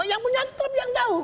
yang punya klub yang jauh